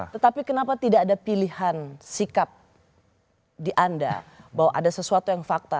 tetapi kenapa tidak ada pilihan sikap di anda bahwa ada sesuatu yang fakta